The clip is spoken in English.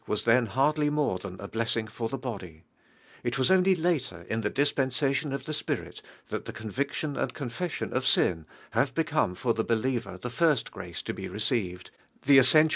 s then hardly more than a blessing for the body. divise iiEAuaa. It was only later, in the dispensation of (lie Spirit, that tie conviction and conies sion of sin have become for the believer the first grace to he received, the essen tia!